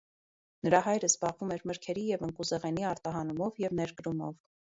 Նրա հայրը զբաղվում էր մրգերի և ընկուզեղենի արտահանումով և ներկրումով։